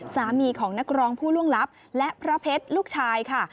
สามีของนักร้องผู้ล่วงลับและพระเพชรลูกชายค่ะ